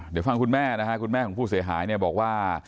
เดี๋ยวฟังคุณแม่นะฮะคุณแม่ของผู้เสียหายเนี่ยบอกว่า